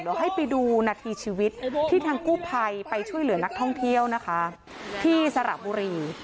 เดี๋ยวให้ไปดูนาทีชีวิตที่ทางกู้ภัยไปช่วยเหลือนักท่องเที่ยวนะคะที่สระบุรี